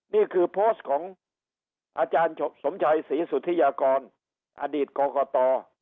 นี่คือโพสต์ของอาจารย์สมชัยศรีสุธิยากรอดีตกรกต